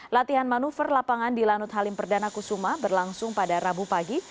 latihan manuver lapangan di lanut halim perdana kusuma berlangsung pada rabu pagi